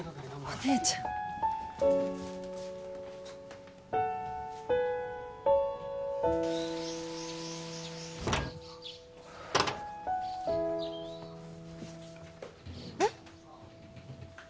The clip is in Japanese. お姉ちゃんえっ？